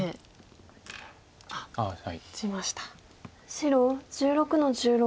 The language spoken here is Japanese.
白１６の十六。